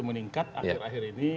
meningkat akhir akhir ini